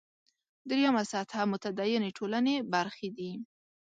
درېیمه سطح متدینې ټولنې برخې دي.